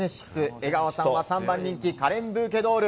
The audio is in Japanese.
江川さんは３番人気、カレンブーケドール。